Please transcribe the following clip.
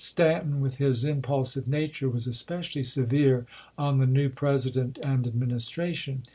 Stanton, with his impulsive nature, was especially severe on the new President and Administration.